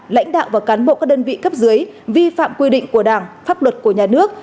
lãnh đạo và cán bộ các đơn vị cấp dưới vi phạm quy định của đảng pháp luật của nhà nước